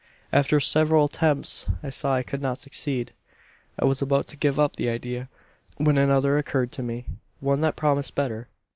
"After several attempts, I saw I could not succeed. "I was about to give up the idea, when another occurred to me one that promised better.